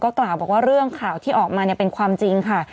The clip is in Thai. กล่าวบอกว่าเรื่องข่าวที่ออกมาเป็นความจริงค่ะ